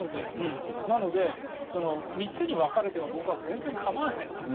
なので３つに分かれても僕は全然構わないです。